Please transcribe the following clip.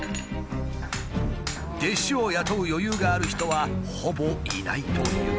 弟子を雇う余裕がある人はほぼいないという。